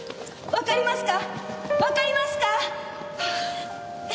わかりますか？